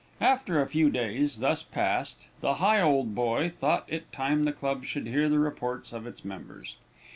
After a few days, thus passed, the Higholdboy thought it time the club should hear the reports of its members.